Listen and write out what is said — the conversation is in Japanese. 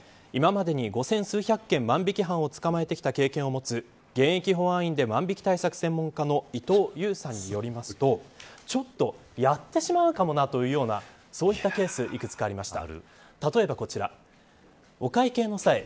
そういったセルフレジの未払いについてその要因について、今までに５０００数百件万引犯を捕まえてきた経験を持つ、現役保安員で万引対策専門家の伊東ゆうさんによりますとちょっとやってしまうかもなというようなそういったケースいくつかありました。